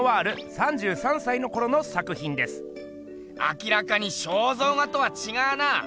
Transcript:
明らかに肖像画とはちがうな。